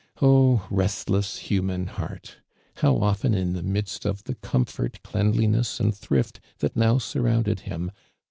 Oh! restless human heart. How often in the midst of the comfort, cleanliness and thrift that I'ow surrounded him.